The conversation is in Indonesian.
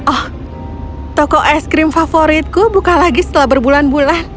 oh toko es krim favoritku buka lagi setelah berbulan bulan